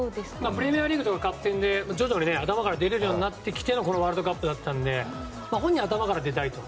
プレミアリーグとかカップ戦で徐々に頭から出れるようになってきてのこのワールドカップだったので本人は頭から出たいと。